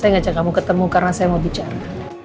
saya ngajak kamu ketemu karena saya mau bicara